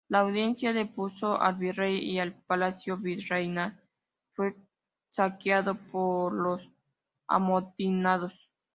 La Audiencia depuso al virrey y el palacio virreinal fue saqueado por los amotinados.